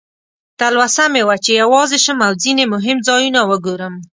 تلوسه مې وه چې یوازې شم او ځینې مهم ځایونه وګورم.